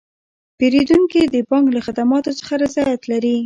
پیرودونکي د بانک له خدماتو څخه رضایت لري.